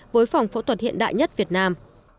với phòng phẫu thuật hiện đại nhất việt nam